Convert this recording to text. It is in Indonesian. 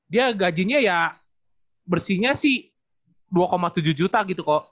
dia gajinya ya bersihnya sih dua tujuh juta gitu kok